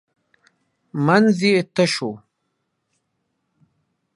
منځ یې تش و .